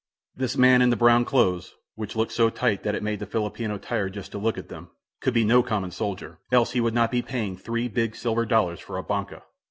This man in the brown clothes, which looked so tight that it made the Filipino tired just to look at them, could be no common soldier, else he would not be paying three big silver dollars for a "banca."